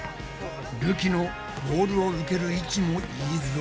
るきのボールを受ける位置もいいぞ。